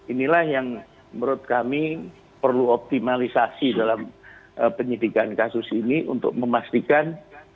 inilah yang menurut kami perlu optimalisasi dalam penyidikan kasus ini untuk memastikan